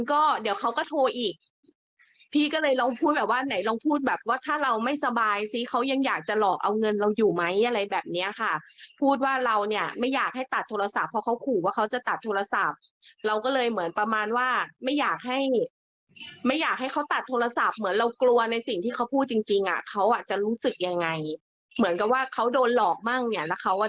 เขาโดนหลอกบ้างเนี่ยแล้วเขาอาจจะรู้สึกยังไง